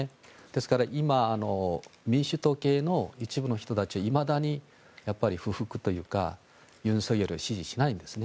ですから民主党系の一部の人たちはいまだに不服というか尹錫悦を支持しないんです。